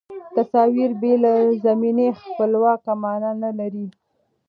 تصاویر بې له زمینه خپلواک معنا نه لري.